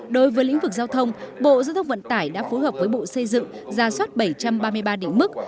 đối với lĩnh vực giao thông bộ giới thông vận tải đã phù hợp với bộ xây dựng giả soát bảy trăm ba mươi ba định mức